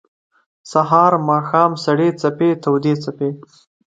سهار ، ماښام سړې څپې تودي څپې